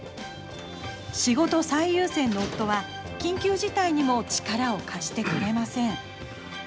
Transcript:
仕事最優先の夫は緊急事態にも力を貸してくれません。